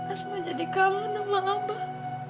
asma jadi kaman sama abah